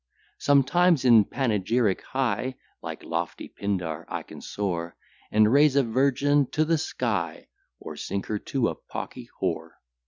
Sometimes in panegyric high, Like lofty Pindar, I can soar; And raise a virgin to the sky, Or sink her to a pocky whore.